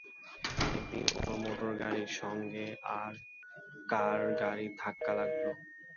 একদিন ওর মোটরগাড়ির সঙ্গে আর-কার গাড়ির ধাক্কা লাগল।